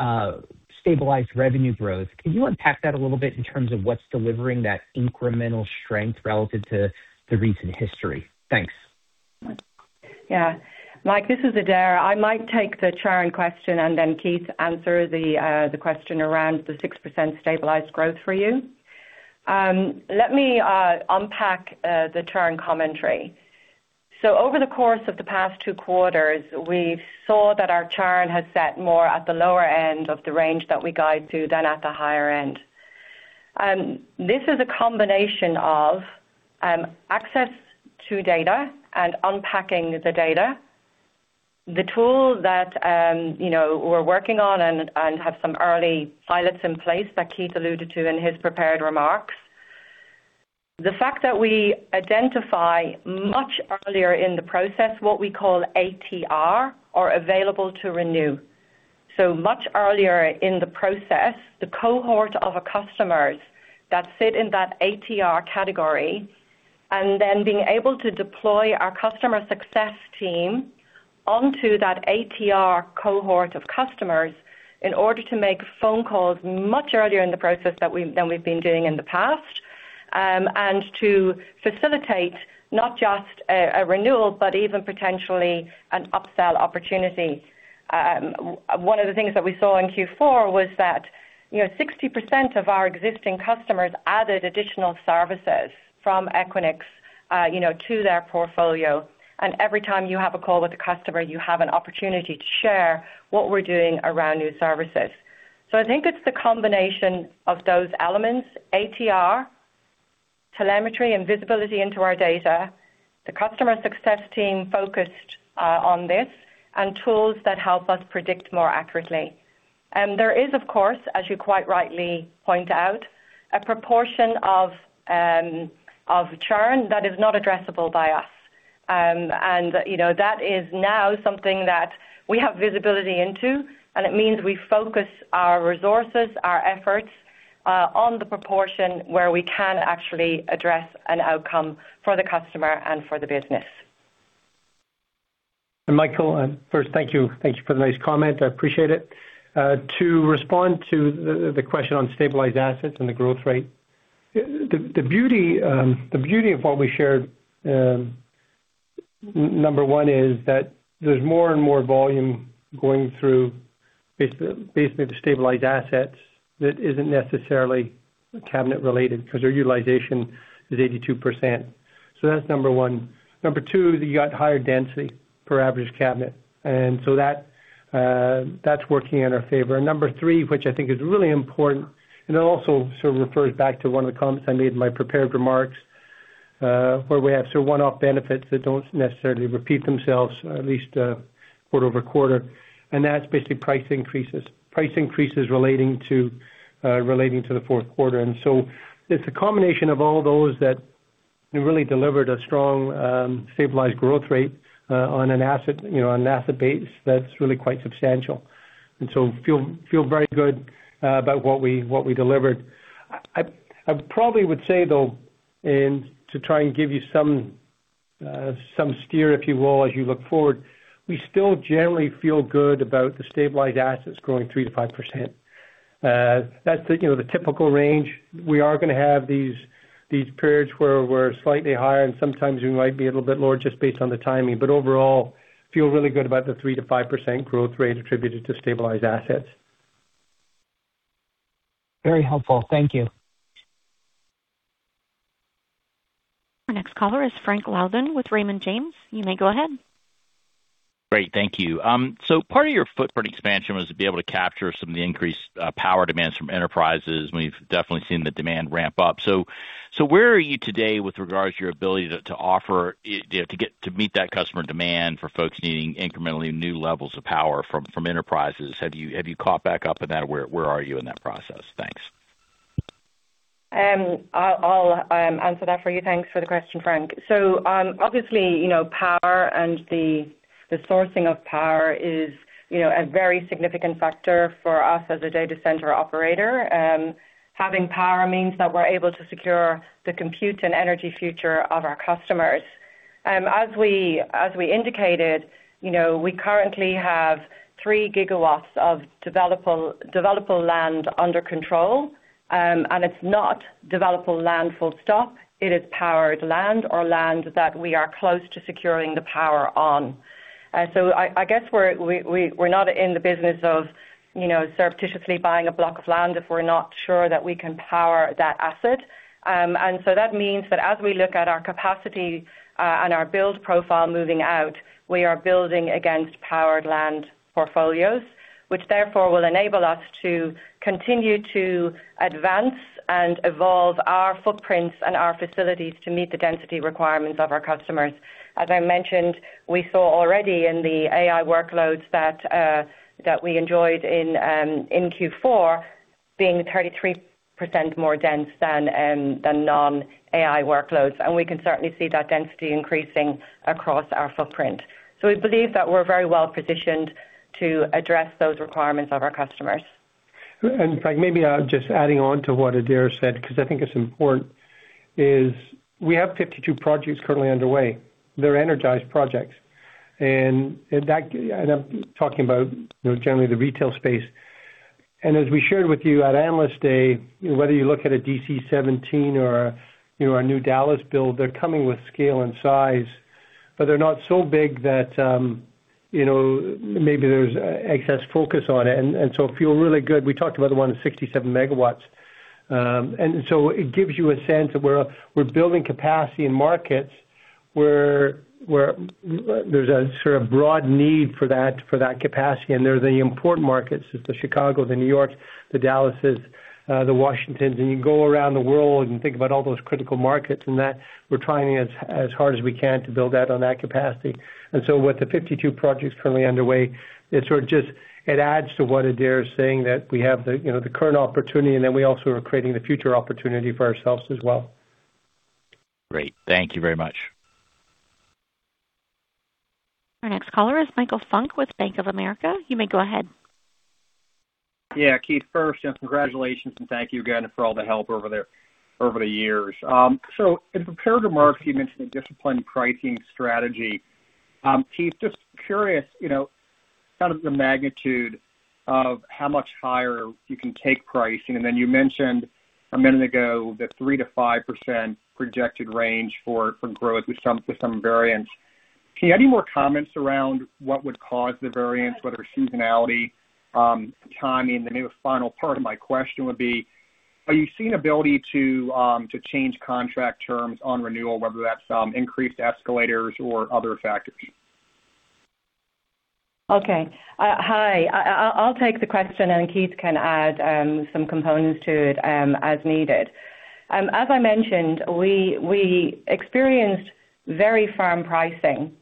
6% stabilized revenue growth, can you unpack that a little bit in terms of what's delivering that incremental strength relative to the recent history? Thanks. Yeah. Mike, this is Adaire. I might take the churn question, and then Keith answer the question around the 6% stabilized growth for you. Let me unpack the churn commentary. So over the course of the past two quarters, we saw that our churn has set more at the lower end of the range that we guide to than at the higher end. This is a combination of access to data and unpacking the data, the tool that we're working on and have some early pilots in place that Keith alluded to in his prepared remarks, the fact that we identify much earlier in the process what we call ATR or available to renew. So much earlier in the process, the cohort of customers that sit in that ATR category and then being able to deploy our customer success team onto that ATR cohort of customers in order to make phone calls much earlier in the process than we've been doing in the past and to facilitate not just a renewal but even potentially an upsell opportunity. One of the things that we saw in Q4 was that 60% of our existing customers added additional services from Equinix to their portfolio. Every time you have a call with a customer, you have an opportunity to share what we're doing around new services. I think it's the combination of those elements, ATR, telemetry, and visibility into our data, the customer success team focused on this, and tools that help us predict more accurately. There is, of course, as you quite rightly point out, a proportion of churn that is not addressable by us. That is now something that we have visibility into, and it means we focus our resources, our efforts on the proportion where we can actually address an outcome for the customer and for the business. Michael, first, thank you. Thank you for the nice comment. I appreciate it. To respond to the question on stabilized assets and the growth rate, the beauty of what we shared, number one, is that there's more and more volume going through basically the stabilized assets that isn't necessarily cabinet-related because their utilization is 82%. So that's number one. Number two, you got higher density per average cabinet, and so that's working in our favor. And number three, which I think is really important, and it also sort of refers back to one of the comments I made in my prepared remarks, where we have sort of one-off benefits that don't necessarily repeat themselves at least quarter-over-quarter. And that's basically price increases relating to the fourth quarter. So it's a combination of all those that really delivered a strong stabilized growth rate on an asset base that's really quite substantial. And so feel very good about what we delivered. I probably would say, though, and to try and give you some steer, if you will, as you look forward, we still generally feel good about the stabilized assets growing 3%-5%. That's the typical range. We are going to have these periods where we're slightly higher, and sometimes we might be a little bit lower just based on the timing. But overall, feel really good about the 3%-5% growth rate attributed to stabilized assets. Very helpful. Thank you. Our next caller is Frank Louthan with Raymond James. You may go ahead. Great. Thank you. So part of your footprint expansion was to be able to capture some of the increased power demands from enterprises. We've definitely seen the demand ramp up. So where are you today with regards to your ability to offer to meet that customer demand for folks needing incrementally new levels of power from enterprises? Have you caught back up in that? Where are you in that process? Thanks. I'll answer that for you. Thanks for the question, Frank. So obviously, power and the sourcing of power is a very significant factor for us as a data center operator. Having power means that we're able to secure the compute and energy future of our customers. As we indicated, we currently have 3 GW of developable land under control, and it's not developable land full stop. It is powered land or land that we are close to securing the power on. So I guess we're not in the business of surreptitiously buying a block of land if we're not sure that we can power that asset. So that means that as we look at our capacity and our build profile moving out, we are building against powered land portfolios, which therefore will enable us to continue to advance and evolve our footprints and our facilities to meet the density requirements of our customers. As I mentioned, we saw already in the AI workloads that we enjoyed in Q4 being 33% more dense than non-AI workloads. We can certainly see that density increasing across our footprint. We believe that we're very well positioned to address those requirements of our customers. And Frank, maybe just adding on to what Adaire said because I think it's important, is we have 52 projects currently underway. They're energized projects. And I'm talking about generally the retail space. And as we shared with you at Analyst Day, whether you look at a DC17 or our new Dallas build, they're coming with scale and size, but they're not so big that maybe there's excess focus on it. And so feel really good. We talked about the one at 67 MW. And so it gives you a sense that we're building capacity in markets where there's a sort of broad need for that capacity. And they're the important markets is the Chicago, the New York, the Dallases, the Washingtons. And you go around the world and think about all those critical markets in that we're trying as hard as we can to build out on that capacity. With the 52 projects currently underway, it sort of just adds to what Adaire is saying, that we have the current opportunity, and then we also are creating the future opportunity for ourselves as well. Great. Thank you very much. Our next caller is Michael Funk with Bank of America. You may go ahead. Yeah. Keith first, and congratulations, and thank you again for all the help over the years. So in prepared remarks, you mentioned a disciplined pricing strategy. Keith, just curious kind of the magnitude of how much higher you can take pricing. And then you mentioned a minute ago the 3%-5% projected range for growth with some variance. Any more comments around what would cause the variance, whether seasonality, timing? And maybe a final part of my question would be, are you seeing ability to change contract terms on renewal, whether that's increased escalators or other factors? Okay. Hi. I'll take the question, and Keith can add some components to it as needed. As I mentioned, we experienced very firm pricing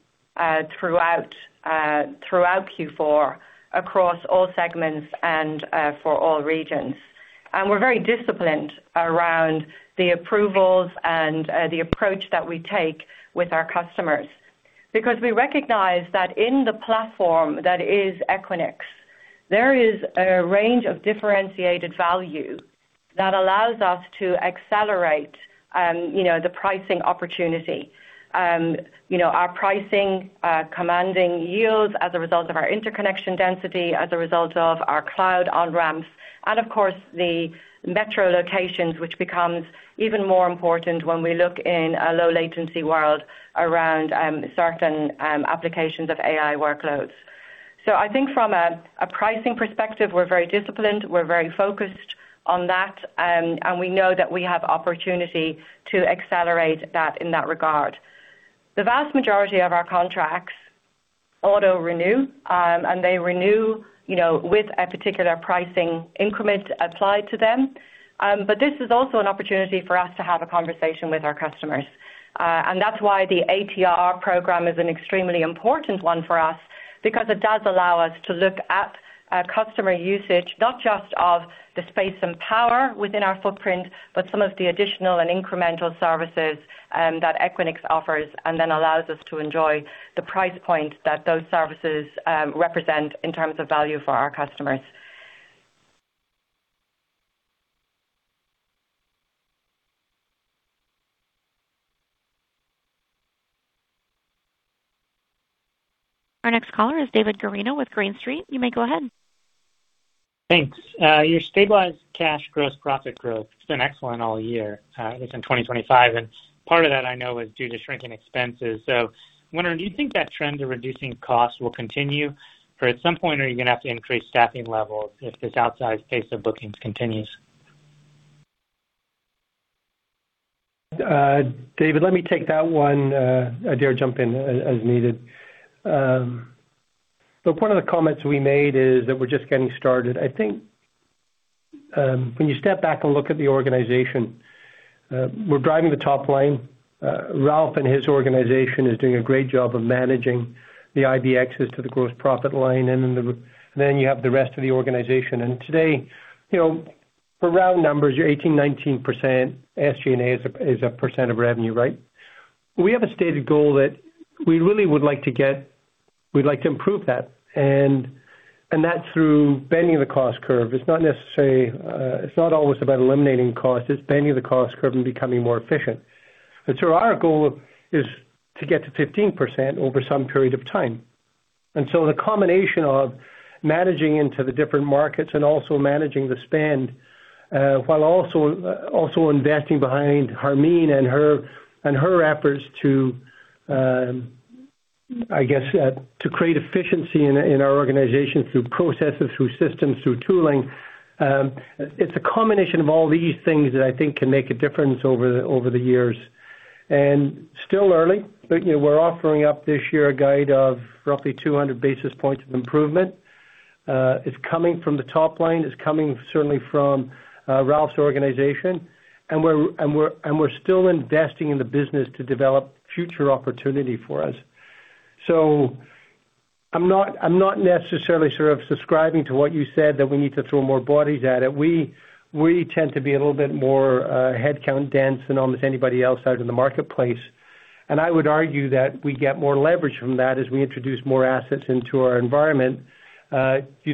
throughout Q4 across all segments and for all regions. We're very disciplined around the approvals and the approach that we take with our customers because we recognize that in the platform that is Equinix, there is a range of differentiated value that allows us to accelerate the pricing opportunity, our pricing commanding yields as a result of our interconnection density, as a result of our cloud on-ramps, and of course, the metro locations, which becomes even more important when we look in a low-latency world around certain applications of AI workloads. I think from a pricing perspective, we're very disciplined. We're very focused on that, and we know that we have opportunity to accelerate that in that regard. The vast majority of our contracts auto-renew, and they renew with a particular pricing increment applied to them. This is also an opportunity for us to have a conversation with our customers. That's why the ATR program is an extremely important one for us because it does allow us to look at customer usage, not just of the space and power within our footprint, but some of the additional and incremental services that Equinix offers and then allows us to enjoy the price point that those services represent in terms of value for our customers. Our next caller is David Guarino with Green Street. You may go ahead. Thanks. Your stabilized cash gross profit growth, it's been excellent all year, at least in 2025. And part of that, I know, is due to shrinking expenses. So I'm wondering, do you think that trend of reducing costs will continue, or at some point, are you going to have to increase staffing levels if this outsized pace of bookings continues? David, let me take that one. Adaire, jump in as needed. Look, one of the comments we made is that we're just getting started. I think when you step back and look at the organization, we're driving the top line. Raouf and his organization is doing a great job of managing the IBXs to the gross profit line, and then you have the rest of the organization. And today, for round numbers, you're 18%-19%. SG&A is a percent of revenue, right? We have a stated goal that we really would like to get we'd like to improve that. And that's through bending the cost curve. It's not necessarily it's not always about eliminating costs. It's bending the cost curve and becoming more efficient. And so our goal is to get to 15% over some period of time. And so the combination of managing into the different markets and also managing the spend while also investing behind Harmeen and her efforts to, I guess, create efficiency in our organization through processes, through systems, through tooling; it's a combination of all these things that I think can make a difference over the years. Still early, but we're offering up this year a guide of roughly 200 basis points of improvement. It's coming from the top line. It's coming certainly from Raouf's organization. We're still investing in the business to develop future opportunity for us. I'm not necessarily sort of subscribing to what you said that we need to throw more bodies at it. We tend to be a little bit more headcount dense than almost anybody else out in the marketplace. I would argue that we get more leverage from that as we introduce more assets into our environment. If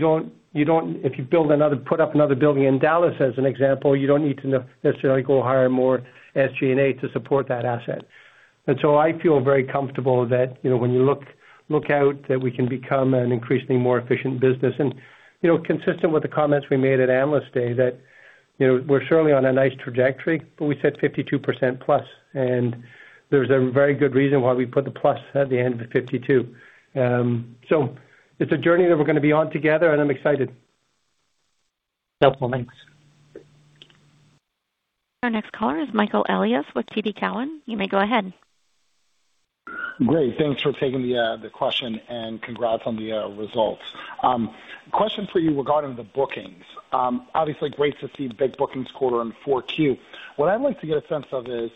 you build another put up another building in Dallas, as an example, you don't need to necessarily go hire more SG&A to support that asset. So I feel very comfortable that when you look out, that we can become an increasingly more efficient business. Consistent with the comments we made at Analyst Day, that we're certainly on a nice trajectory, but we said 52%+. And there's a very good reason why we put the plus at the end of 52%. It's a journey that we're going to be on together, and I'm excited. Helpful. Thanks. Our next caller is Michael Elias with TD Cowen. You may go ahead. Great. Thanks for taking the question and congrats on the results. Question for you regarding the bookings. Obviously, great to see big bookings quarter on 4Q. What I'd like to get a sense of is,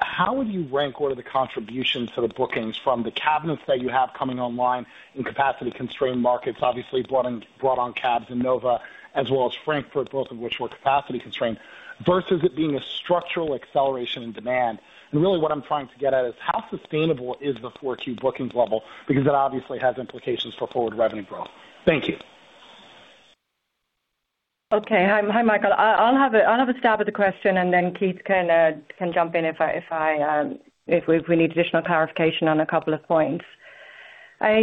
how would you rank what are the contributions to the bookings from the cabinets that you have coming online in capacity-constrained markets, obviously brought on Chicago and NoVA as well as Frankfurt, both of which were capacity-constrained, versus it being a structural acceleration in demand? And really, what I'm trying to get at is, how sustainable is the 4Q bookings level because that obviously has implications for forward revenue growth? Thank you. Okay. Hi, Michael. I'll have a stab at the question, and then Keith can jump in if we need additional clarification on a couple of points. I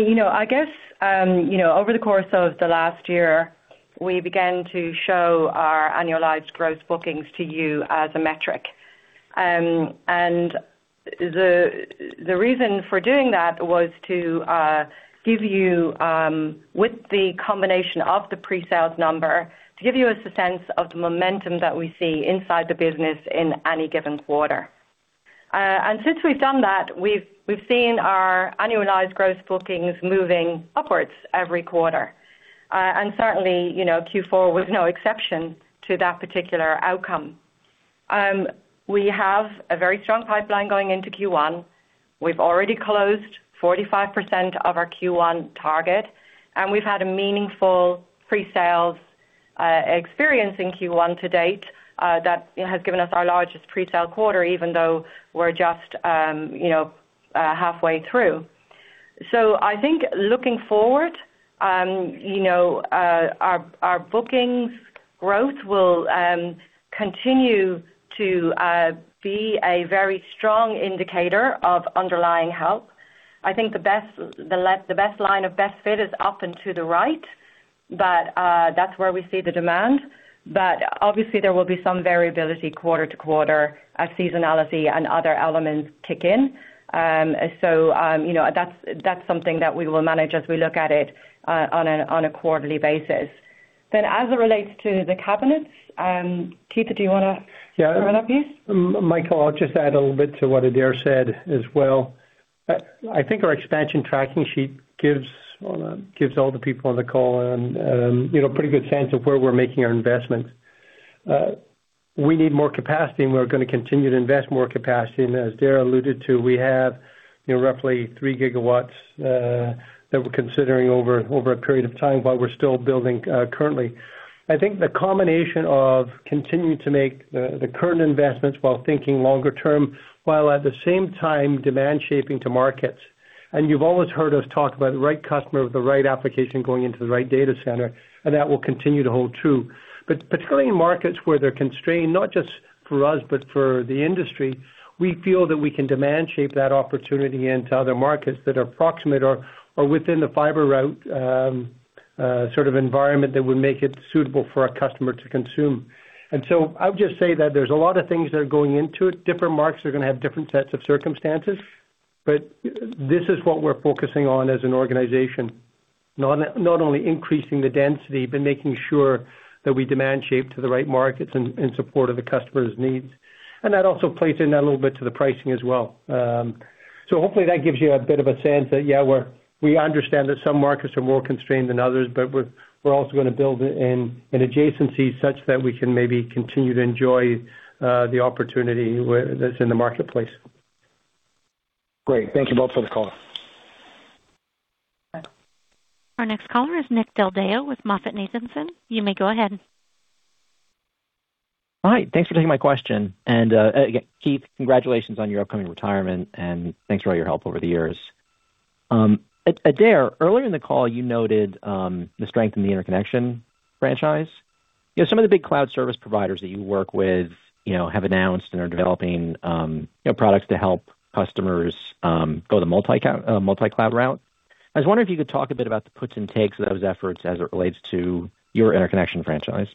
guess over the course of the last year, we began to show our annualized gross bookings to you as a metric. The reason for doing that was to give you with the combination of the presales number, to give you a sense of the momentum that we see inside the business in any given quarter. Since we've done that, we've seen our annualized gross bookings moving upwards every quarter. Certainly, Q4 was no exception to that particular outcome. We have a very strong pipeline going into Q1. We've already closed 45% of our Q1 target, and we've had a meaningful presales experience in Q1 to date that has given us our largest presale quarter, even though we're just halfway through. So I think looking forward, our bookings growth will continue to be a very strong indicator of underlying health. I think the best line of best fit is up and to the right, but that's where we see the demand. But obviously, there will be some variability quarter to quarter as seasonality and other elements kick in. So that's something that we will manage as we look at it on a quarterly basis. Then as it relates to the cabinets, Keith, do you want to throw it up, Keith? Yeah. Michael, I'll just add a little bit to what Adaire said as well. I think our expansion tracking sheet gives all the people on the call a pretty good sense of where we're making our investments. We need more capacity, and we're going to continue to invest more capacity. And as Adaire alluded to, we have roughly 3 GW that we're considering over a period of time while we're still building currently. I think the combination of continuing to make the current investments while thinking longer term, while at the same time demand-shaping to markets and you've always heard us talk about the right customer with the right application going into the right data center, and that will continue to hold true. But particularly in markets where they're constrained, not just for us but for the industry, we feel that we can demand-shape that opportunity into other markets that are proximate or within the fiber route sort of environment that would make it suitable for a customer to consume. And so I would just say that there's a lot of things that are going into it. Different markets are going to have different sets of circumstances, but this is what we're focusing on as an organization, not only increasing the density, but making sure that we demand-shape to the right markets in support of the customer's needs. And that also plays in a little bit to the pricing as well. Hopefully, that gives you a bit of a sense that, yeah, we understand that some markets are more constrained than others, but we're also going to build in adjacencies such that we can maybe continue to enjoy the opportunity that's in the marketplace. Great. Thank you both for the call. Our next caller is Nick Del Deo with MoffettNathanson. You may go ahead. All right. Thanks for taking my question. And again, Keith, congratulations on your upcoming retirement, and thanks for all your help over the years. Adaire, earlier in the call, you noted the strength in the interconnection franchise. Some of the big cloud service providers that you work with have announced and are developing products to help customers go the multi-cloud route. I was wondering if you could talk a bit about the puts and takes of those efforts as it relates to your interconnection franchise.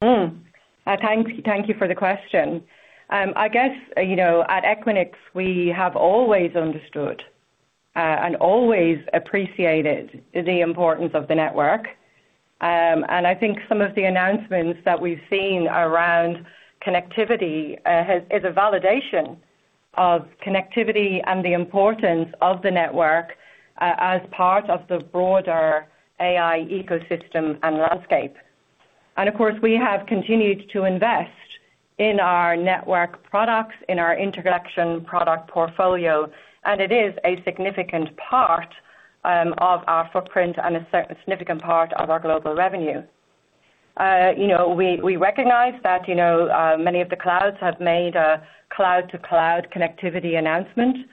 Thank you for the question. I guess at Equinix, we have always understood and always appreciated the importance of the network. And I think some of the announcements that we've seen around connectivity is a validation of connectivity and the importance of the network as part of the broader AI ecosystem and landscape. And of course, we have continued to invest in our network products, in our interconnection product portfolio, and it is a significant part of our footprint and a significant part of our global revenue. We recognize that many of the clouds have made a cloud-to-cloud connectivity announcement,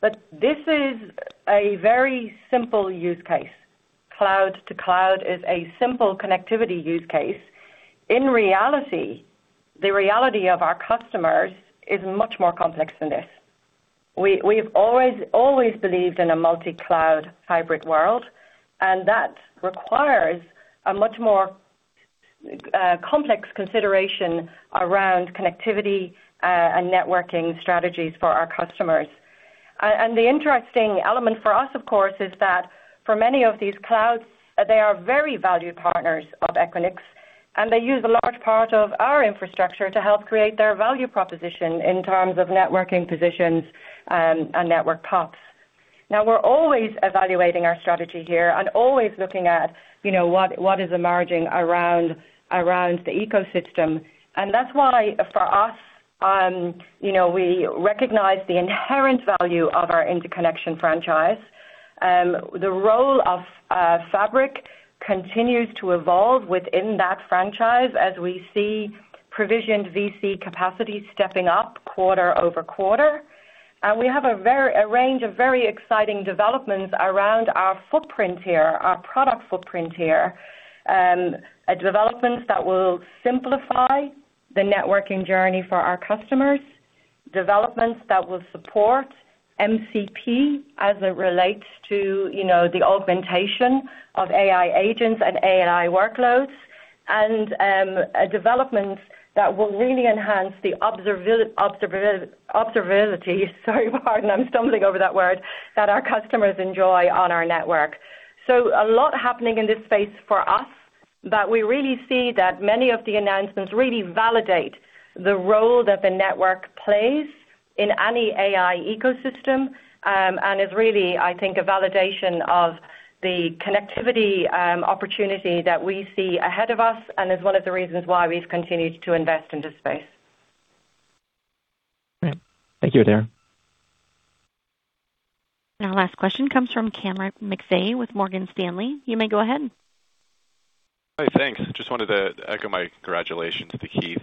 but this is a very simple use case. Cloud-to-cloud is a simple connectivity use case. In reality, the reality of our customers is much more complex than this. We've always believed in a multi-cloud hybrid world, and that requires a much more complex consideration around connectivity and networking strategies for our customers. The interesting element for us, of course, is that for many of these clouds, they are very valued partners of Equinix, and they use a large part of our infrastructure to help create their value proposition in terms of networking positions and network POPs. Now, we're always evaluating our strategy here and always looking at what is emerging around the ecosystem. That's why for us, we recognize the inherent value of our interconnection franchise. The role of Fabric continues to evolve within that franchise as we see provisioned VC capacity stepping up quarter over quarter. We have a range of very exciting developments around our footprint here, our product footprint here, developments that will simplify the networking journey for our customers, developments that will support MCP as it relates to the augmentation of AI agents and AI workloads, and developments that will really enhance the observability sorry, pardon. I'm stumbling over that word that our customers enjoy on our network. So a lot happening in this space for us, but we really see that many of the announcements really validate the role that the network plays in any AI ecosystem and is really, I think, a validation of the connectivity opportunity that we see ahead of us and is one of the reasons why we've continued to invest in this space. Great. Thank you, Adaire. Our last question comes from Cameron McVeigh with Morgan Stanley. You may go ahead. Hi. Thanks. I just wanted to echo my congratulations to Keith.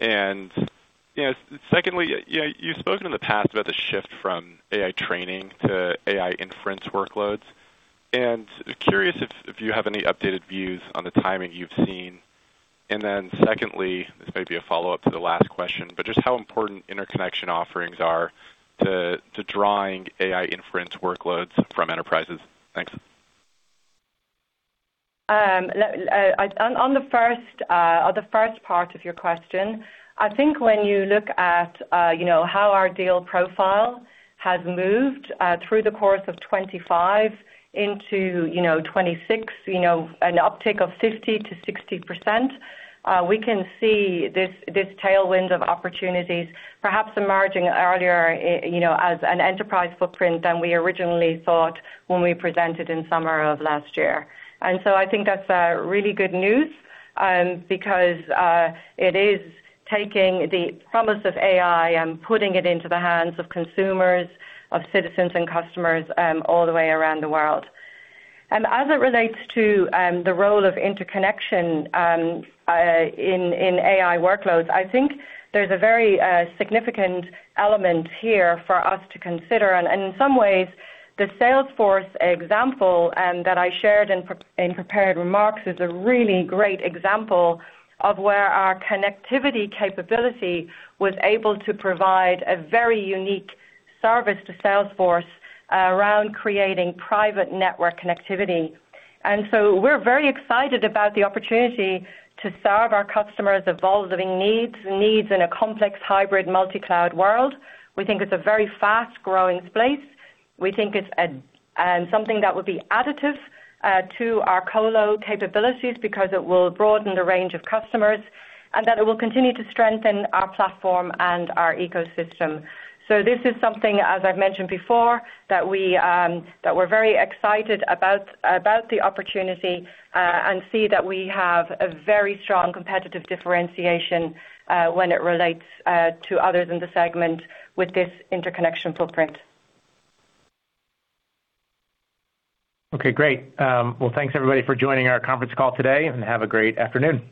And secondly, you've spoken in the past about the shift from AI training to AI inference workloads. And curious if you have any updated views on the timing you've seen? And then secondly, this may be a follow-up to the last question, but just how important interconnection offerings are to drawing AI inference workloads from enterprises? Thanks. On the first part of your question, I think when you look at how our deal profile has moved through the course of 2025 into 2026, an uptick of 50%-60%, we can see this tailwind of opportunities perhaps emerging earlier as an enterprise footprint than we originally thought when we presented in summer of last year. And so I think that's really good news because it is taking the promise of AI and putting it into the hands of consumers, of citizens, and customers all the way around the world. And as it relates to the role of interconnection in AI workloads, I think there's a very significant element here for us to consider. In some ways, the Salesforce example that I shared in prepared remarks is a really great example of where our connectivity capability was able to provide a very unique service to Salesforce around creating private network connectivity. So we're very excited about the opportunity to serve our customers' evolving needs in a complex hybrid multi-cloud world. We think it's a very fast-growing space. We think it's something that would be additive to our colo capabilities because it will broaden the range of customers and that it will continue to strengthen our platform and our ecosystem. So this is something, as I've mentioned before, that we're very excited about the opportunity and see that we have a very strong competitive differentiation when it relates to others in the segment with this interconnection footprint. Okay. Great. Well, thanks, everybody, for joining our conference call today, and have a great afternoon.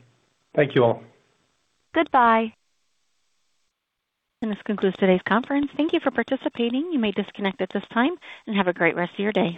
Thank you all. Goodbye. This concludes today's conference. Thank you for participating. You may disconnect at this time and have a great rest of your day.